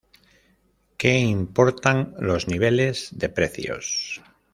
Que importan los niveles de precios.